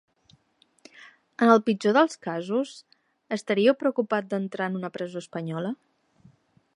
En el pitjor dels casos, estaríeu preocupat d’entrar en una presó espanyola?